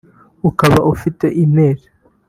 ukaba ufite email